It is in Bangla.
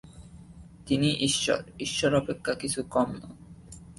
তিনি ঈশ্বর, ঈশ্বর অপেক্ষা কিছু কম নন।